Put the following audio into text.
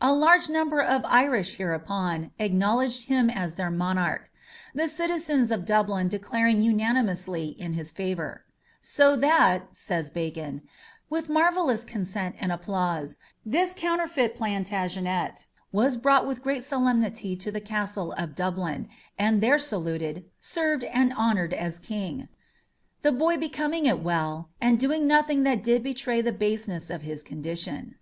A large number of Irish hereupon acknowledged him as their monarch; the citizens of Dublin declaring unanimously in his favour; "so that," says Bacon, "with marvellous consent and applause, this counterfeit Plantagenet was brought with great solemnity to the castle of Dublin, and there saluted, served, and honoured as king; the boy becoming it well, and doing nothing that did betray the baseness of his condition."